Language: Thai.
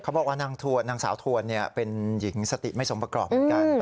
บอกว่านางสาวทวนเป็นหญิงสติไม่สมประกอบเหมือนกัน